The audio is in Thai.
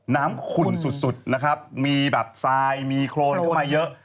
ขุ่นสุดนะครับมีแบบทรายมีโครนเข้ามาเยอะ